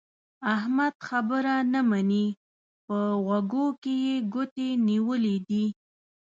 احمد خبره نه مني؛ په غوږو کې يې ګوتې نيولې دي.